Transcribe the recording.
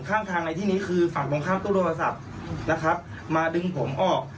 ข้างทางในที่นี้คือฝั่งตรงข้ามตู้โทรศัพท์นะครับมาดึงผมออก